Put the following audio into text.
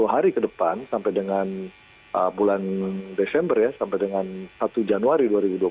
sepuluh hari ke depan sampai dengan bulan desember ya sampai dengan satu januari dua ribu dua puluh